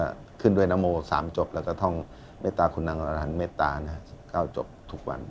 ก็ขึ้นด้วยนโม๓จบแล้วก็ท่องเมตตาคุณนางอรันเมตตา๙จบทุกวัน